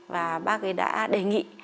và bác ấy đã đề nghị